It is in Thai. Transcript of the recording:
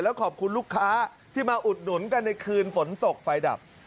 ขอบคุณลูกค้าที่มาอุดหนุนกันในคืนฝนตกไฟดับ